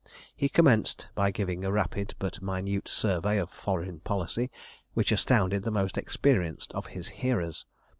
He commenced by giving a rapid but minute survey of foreign policy, which astounded the most experienced of his hearers.